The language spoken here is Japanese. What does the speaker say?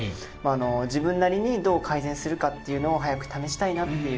自分なりにどう改善するかっていうのを早く試したいなっていう。